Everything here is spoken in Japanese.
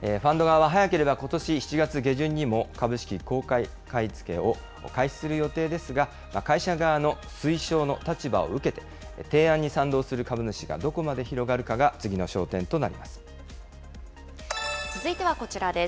ファンド側は、早ければことし７月下旬にも、株式公開買い付けを開始する予定ですが、会社側の推奨の立場を受けて、提案に賛同する株主がどこまで広がるかが次の続いてはこちらです。